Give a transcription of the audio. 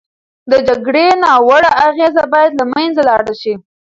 د جګړې ناوړه اغېزې باید له منځه لاړې شي.